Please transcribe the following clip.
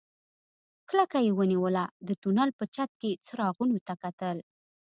کلکه يې ونيوله د تونل په چت کې څراغونو ته کتل.